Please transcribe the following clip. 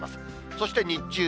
そして日中。